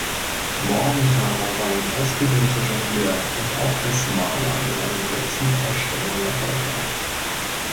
Morgenthaler war ein ausgebildeter Jongleur und auch als Maler mit einem Dutzend Ausstellungen erfolgreich.